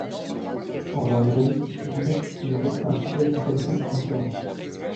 Pendant les années qui suivirent, il resta un fidèle compagnon du Conquérant.